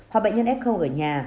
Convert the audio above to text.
hoặc bệnh nhân f ở nhà